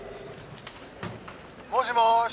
もしもし。